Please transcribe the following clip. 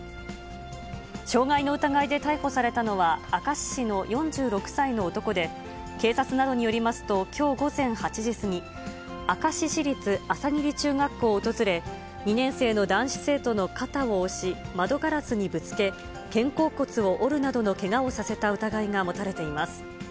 傷害の疑いで逮捕されたのは、明石市の４６歳の男で、警察などによりますと、きょう午前８時過ぎ、明石市立朝霧中学校を訪れ、２年生の男子生徒の肩を押し、窓ガラスにぶつけ、肩甲骨を折るなどのけがをさせた疑いが持たれています。